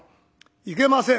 いけません。